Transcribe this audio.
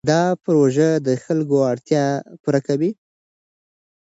دا پروژه د خلکو اړتیا پوره کوي.